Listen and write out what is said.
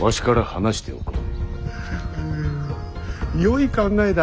うよい考えだ。